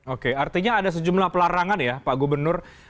oke artinya ada sejumlah pelarangan ya pak gubernur